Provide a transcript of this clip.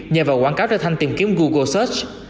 nhờ vào quảng cáo trở thành tìm kiếm google search